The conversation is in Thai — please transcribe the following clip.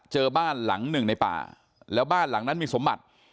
บ้านหลังหนึ่งในป่าแล้วบ้านหลังนั้นมีสมบัติ